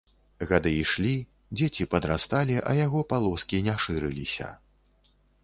Гады ішлі, дзеці падрасталі, а яго палоскі не шырыліся.